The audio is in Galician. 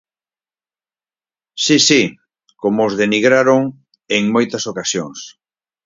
Si, si, como os denigraron en moitas ocasións.